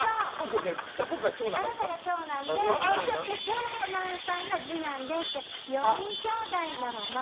あなたが長男で長男さんが次男でって４人きょうだいなの。